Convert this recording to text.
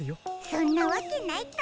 そんなわけないか。